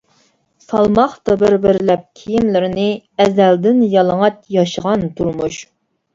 سالماقتا بىر-بىرلەپ كىيىملىرىنى، ئەزەلدىن يالىڭاچ ياشىغان تۇرمۇش.